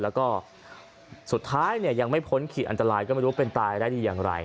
แล้วก็สุดท้ายเนี่ยยังไม่พ้นขีดอันตรายก็ไม่รู้เป็นตายได้ดีอย่างไร